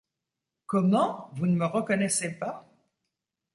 Comment ! vous ne me reconnaissez pas ?